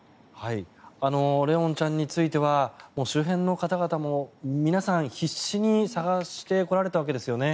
怜音ちゃんについては周辺の方々も皆さん、必死に捜してこられたわけですよね。